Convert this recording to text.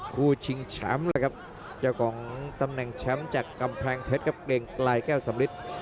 ชิงแชมป์เลยครับเจ้าของตำแหน่งแชมป์จากกำแพงเพชรครับเกรงไกลแก้วสำลิด